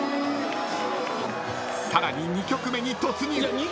［さらに２曲目に突入］